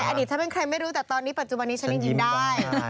อดีตฉันเป็นใครไม่รู้แต่ตอนนี้ปัจจุบันนี้ฉันยังยืนได้